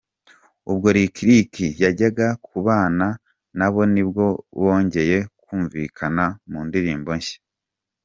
Ubwo Lick Lick yajyaga kubana nabo nibwo bongeye kumvikana mu ndirimbo nshya.